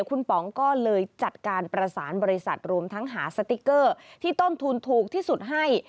คุณป๋องก็เลยจัดการประสานบริษัทรวมทั้งหาสติ๊กเกอร์ที่ต้นทุนถูกที่สุดให้